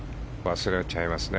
忘れちゃいますね。